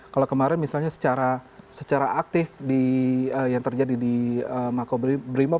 kalau kemarin misalnya secara aktif yang terjadi di makobrimob